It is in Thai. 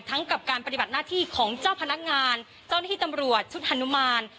กับการปฏิบัติหน้าที่ของเจ้าพนักงานเจ้าหน้าที่ตำรวจชุดฮานุมาน